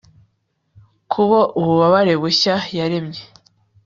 kubo ububabare bushya yaremye